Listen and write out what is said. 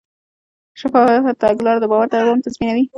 شفافه تګلاره د باور دوام تضمینوي.